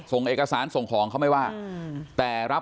ส่งเอกสารส่งของเขาไม่ว่าแต่รับ